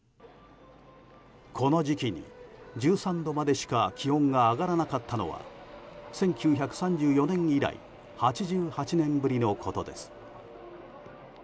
この時期に１３度までしか気温が上がらなかったのは１９３４年以来８８年ぶりのことです。